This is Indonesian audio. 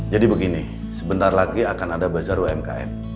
jadi begini sebentar lagi akan ada bazar umkm